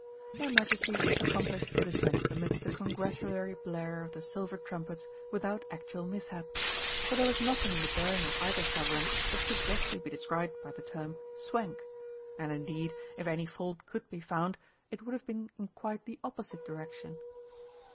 Their Majesties accomplished the descent amidst the congratulatory blare of the silver trumpets without actual mishap. But there was nothing in the bearing of either Sovereign that could justly be described by the term "swank," and indeed, if any fault could be found, it would have been in quite the opposite direction.